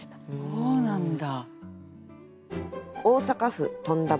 そうなんだ。